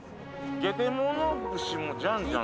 「ゲテモノ串もじゃんじゃん！